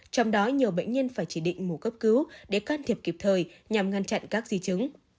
trong đó nhiều bệnh nhân phải chỉ định mổ cấp cứu để can thiệp kịp thời nhằm ngăn chặn các di chứng